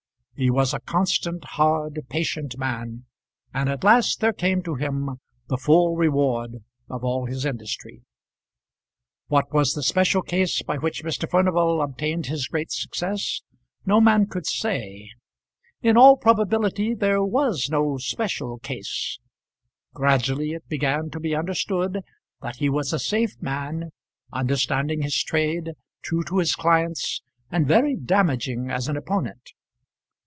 He was a constant, hard, patient man, and at last there came to him the full reward of all his industry. What was the special case by which Mr. Furnival obtained his great success no man could say. In all probability there was no special case. Gradually it began to be understood that he was a safe man, understanding his trade, true to his clients, and very damaging as an opponent.